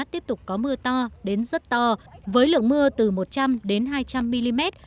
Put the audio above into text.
tiếp tục có mưa to đến rất to với lượng mưa từ một trăm linh đến hai trăm linh mm